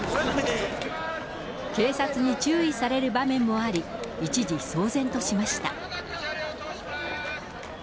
警察に注意される場面もあり、一時騒然としました。